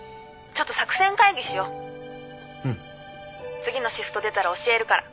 次のシフト出たら教えるから。